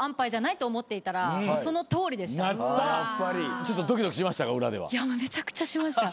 ちょっとドキドキしましたか？